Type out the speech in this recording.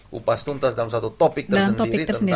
kupas tuntas dalam satu topik tersendiri tentang